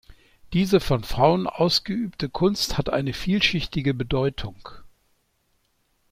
Diese von Frauen ausgeübte Kunst hat eine vielschichtige Bedeutung.